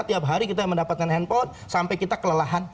tiap hari kita mendapatkan handphone sampai kita kelelahan